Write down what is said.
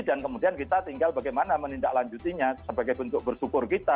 dan kemudian kita tinggal bagaimana menindaklanjutinya sebagai bentuk bersyukur kita